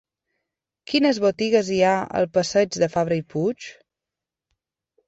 Quines botigues hi ha al passeig de Fabra i Puig?